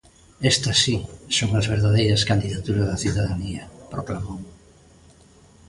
"Estas si son as verdadeiras candidaturas da cidadanía", proclamou.